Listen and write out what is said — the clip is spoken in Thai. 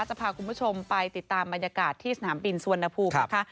จะพาคุณผู้ชมไปติดตามบรรยากาศที่สนามบินสุวรรณภูมินะคะ